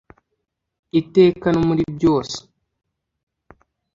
iteka no muri byose